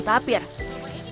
kalau tapir sudah masuk ke kolam